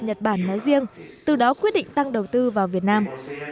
nhật bản nói riêng từ đó quyết định tăng đầu tư vào việt nam